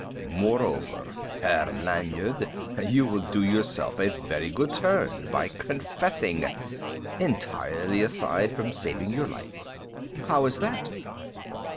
"Moreover, Herr Lanyard, you will do yourself a very good turn by confessing entirely aside from saving your life." "How is that?"